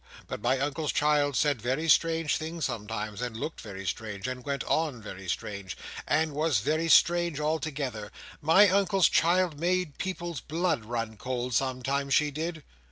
But my Uncle's child said very strange things sometimes, and looked very strange, and went on very strange, and was very strange altogether. My Uncle's child made people's blood run cold, some times, she did!"